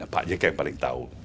pak jk yang paling tahu